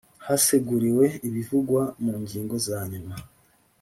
haseguriwe ibivugwa mu ngingo za nyuma